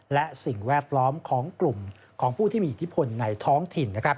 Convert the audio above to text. และสิ่งแวดล้อมของกลุ่มของผู้ที่มีอิทธิพลในท้องถิ่น